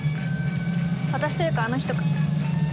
私というかあの人か。